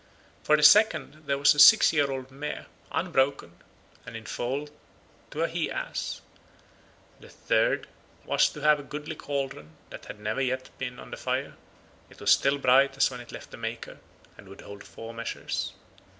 For the second there was a six year old mare, unbroken, and in foal to a he ass; the third was to have a goodly cauldron that had never yet been on the fire; it was still bright as when it left the maker, and would hold four measures.